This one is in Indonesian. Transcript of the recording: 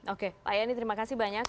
oke pak yani terima kasih banyak